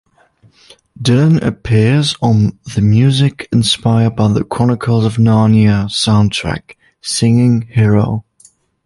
Dillon appears on the "Music inspired by the Chronicles of Narnia" soundtrack, singing "Hero".